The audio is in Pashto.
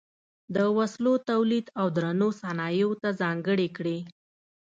د وسلو تولید او درنو صنایعو ته ځانګړې کړې.